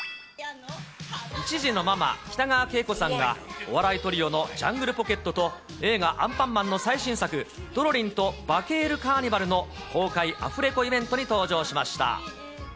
１児のママ、北川景子さんが、お笑いトリオのジャングルポケットと、映画、アンパンマンの最新作、ドロリンとバケるカーニバルの公開アフレコイベントに登場しました。